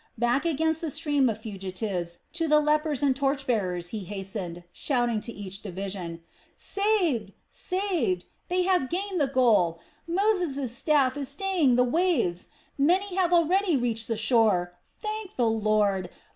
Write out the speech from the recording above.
Back against the stream of fugitives to the lepers and torch bearers he hastened, shouting to each division, "Saved! Saved! They have gained the goal. Moses' staff is staying the waves. Many have already reached the shore. Thank the Lord!